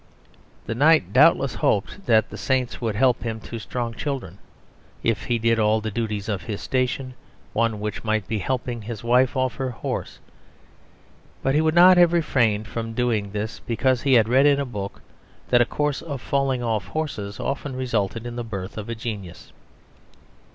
The knight doubtless hoped that the saints would help him to strong children, if he did all the duties of his station, one of which might be helping his wife off her horse; but he would not have refrained from doing this because he had read in a book that a course of falling off horses often resulted in the birth of a genius.